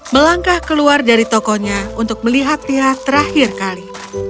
melangkah keluar dari tokonya untuk melihat lihat terakhir kali